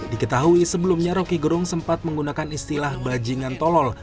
diketahui sebelumnya roky gerung sempat menggunakan istilah bajingan tolol